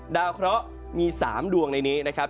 ดาวคร้อมี๓ดวงในนี้นะครับ